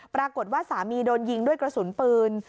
ปรากฏว่าสามีโดนยิงด้วยกระสุนปืน